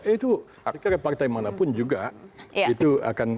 itu di partai manapun juga